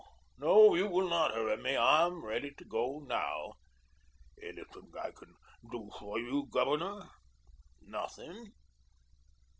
"No, you will not hurry me. I am ready to go now." "Anything I can do for you, Governor?" "Nothing."